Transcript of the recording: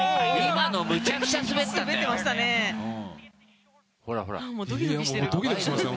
今のむちゃくちゃ滑ってたよ。